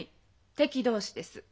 敵同士です。